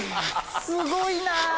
すごいな。